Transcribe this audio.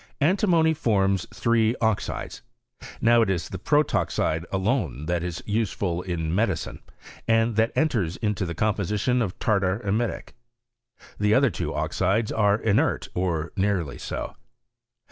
Antimony forms PROGRESS OF CHEMISTRT 1 three oxides : now it is the protoxide alone that is useful ID medicine, and that enters into tJie com position of tarlar emelic ; the other two oxides are inert, or nearly so.